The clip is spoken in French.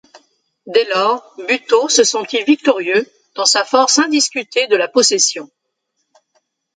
Dès lors, Buteau se sentit victorieux, dans sa force indiscutée de la possession.